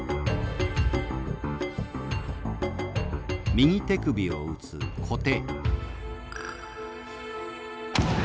右手首を打つ「小手」。